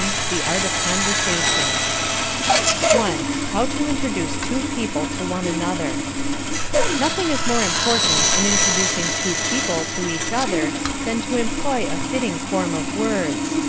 The Art of Conversation I HOW TO INTRODUCE TWO PEOPLE TO ONE ANOTHER Nothing is more important in introducing two people to each other than to employ a fitting form of words.